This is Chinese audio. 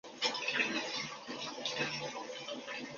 在行政上属于尼永区管辖。